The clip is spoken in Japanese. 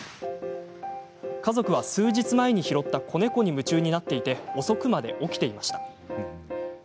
家族は数日前に拾った子猫に夢中になっていて遅くまで起きていました。